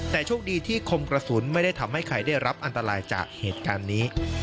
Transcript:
แต่โชคดีที่คมกระสุนไม่ได้ทำให้ใครได้รับอันตรายจากเหตุการณ์นี้